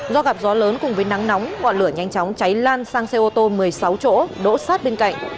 do gặp gió lớn cùng với nắng nóng ngọn lửa nhanh chóng cháy lan sang xe ô tô một mươi sáu chỗ đỗ sát bên cạnh